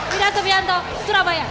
pindah ke pianto surabaya